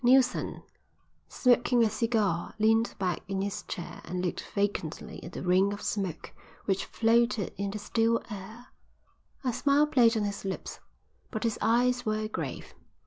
Neilson, smoking a cigar, leaned back in his chair and looked vacantly at the ring of smoke which floated in the still air. A smile played on his lips, but his eyes were grave.